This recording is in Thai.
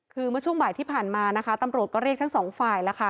คือเมื่อช่วงบ่ายที่ผ่านมานะคะตำรวจก็เรียกทั้งสองฝ่ายแล้วค่ะ